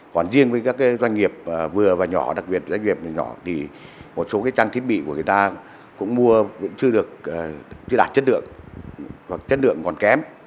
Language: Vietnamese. còn riêng với các doanh nghiệp vừa và nhỏ đặc biệt doanh nghiệp nhỏ thì một số trang thiết bị của người ta cũng mua vẫn chưa đạt chất lượng chất lượng còn kém